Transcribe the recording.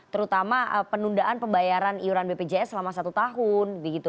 terutama penundaan pembayaran iuran bpjs selama satu tahun